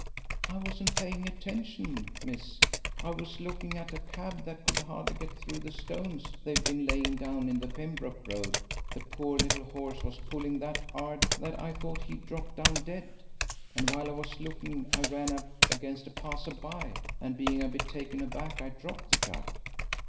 "I wasn't paying no attention, miss; I was looking at a cab that could hardly get through the stones they've been laying down in the Pembroke Road; the poor little horse was pulling that 'ard that I thought he'd drop down dead, and while I was looking I ran up against a passer by, and being a bit taken aback I dropped the jug."